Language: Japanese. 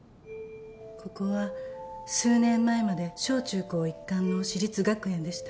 ここは数年前まで小中高一貫の私立学園でした。